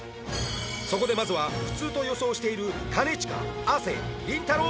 そこでまずは普通と予想している兼近亜生りんたろー。